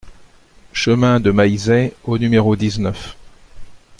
Chemin de Maillezais au numéro dix-neuf